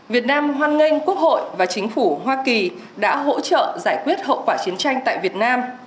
việt nam hoan nghênh quốc hội và chính phủ hoa kỳ đã hỗ trợ giải quyết hậu quả chiến tranh tại việt nam